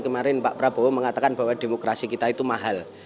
kemarin pak prabowo mengatakan bahwa demokrasi kita itu mahal